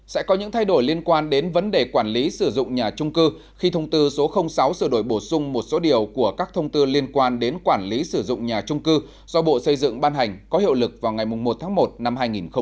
sẽ có những thay đổi liên quan đến vấn đề quản lý sử dụng nhà trung cư khi thông tư số sáu sửa đổi bổ sung một số điều của các thông tư liên quan đến quản lý sử dụng nhà trung cư do bộ xây dựng ban hành có hiệu lực vào ngày một tháng một năm hai nghìn hai mươi